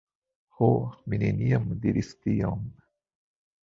Ho, mi neniam diris tion.